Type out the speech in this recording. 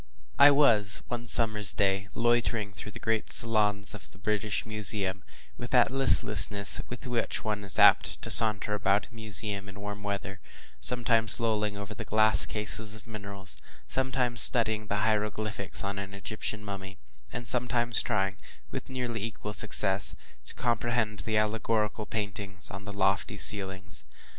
I was one summer’s day loitering through the great saloons of the British Museum, with that listlessness with which one is apt to saunter about a museum in warm weather; sometimes lolling over the glass cases of minerals, sometimes studying the hieroglyphics on an Egyptian mummy, and some times trying, with nearly equal success, to comprehend the allegorical paintings on the lofty ceilings.